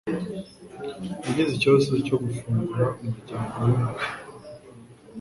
yagize ikibazo cyo gufungura umuryango wimbere.